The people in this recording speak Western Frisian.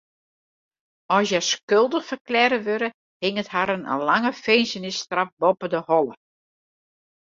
As hja skuldich ferklearre wurde, hinget harren in lange finzenisstraf boppe de holle.